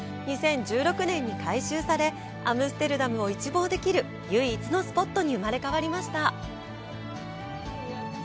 ２０１６年に改修されアムステルダムを一望できる唯一のスポットに生まれ変わりました。